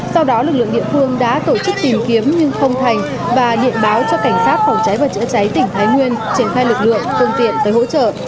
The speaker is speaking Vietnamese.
sau đó lực lượng địa phương đã tổ chức tìm kiếm nhưng không thành và điện báo cho cảnh sát phòng cháy và chữa cháy tỉnh thái nguyên triển khai lực lượng phương tiện tới hỗ trợ